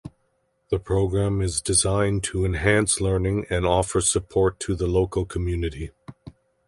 The program is designed to enhance learning and offer support to the local community.